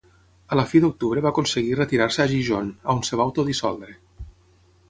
A la fi d'octubre va aconseguir retirar-se a Gijón, on es va autodissoldre.